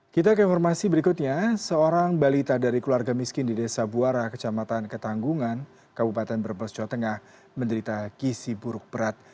kita ke informasi berikutnya seorang balita dari keluarga miskin di desa buara kecamatan ketanggungan kabupaten brebes jawa tengah menderita gisi buruk berat